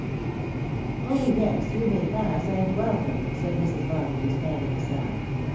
<c Oh ! yes — you may pass and welcome," said Mrs. Bar naby, standing aside.